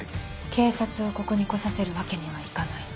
警察をここに来させるわけにはいかない。